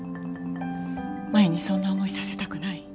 マヤにそんな思いさせたくない。